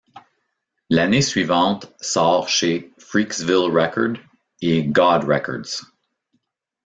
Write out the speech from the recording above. L'année suivante, sort chez Freaksville Record et God Records.